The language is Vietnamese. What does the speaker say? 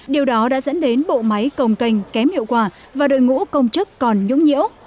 điều đó đã dẫn đến bộ máy công kênh kém hiệu quả và đội ngũ công chức còn nhũng nhễu